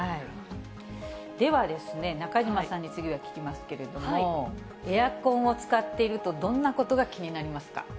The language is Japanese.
では、中島さんに次は聞きますけれども、エアコンを使っているとどんなことが気になりますか。